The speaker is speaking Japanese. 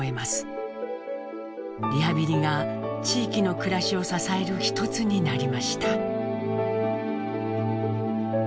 リハビリが地域の暮らしを支える一つになりました。